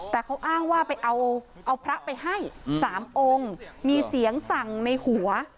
แต่เขาอ้างว่าไปเอาพระไปให้๓องค์มีเสียงสั่งในหัว